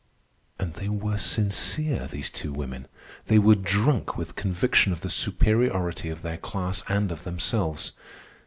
And they were sincere, these two women. They were drunk with conviction of the superiority of their class and of themselves.